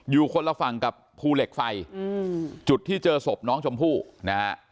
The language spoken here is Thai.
อยู่คนละฝั่งกับภูเหล็กไฟอืมจุดที่เจอศพน้องชมพู่นะฮะ